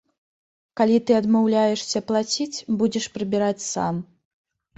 Калі ты адмаўляешся плаціць, будзеш прыбіраць сам.